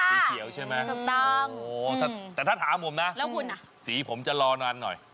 สีเขียวใช่มั้ยสักตั้งโอ้โฮแต่ถ้าถามผมนะสีผมจะรอนานหน่อย